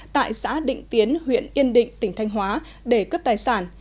tại xã định tiến huyện yên định tỉnh thanh hóa để cướp tài sản